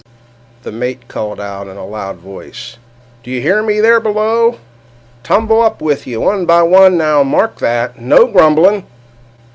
The mate called out in a loud voice: "Do you hear there below? tumble up with you, one by one—now, mark that—and no grumbling!"